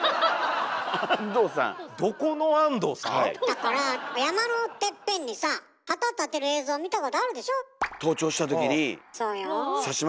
だから山のてっぺんにさ旗立てる映像見たことあるでしょ？